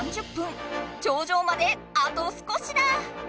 頂上まであと少しだ！